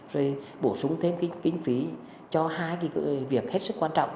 rồi bổ sung thêm cái kinh phí cho hai cái việc hết sức quan trọng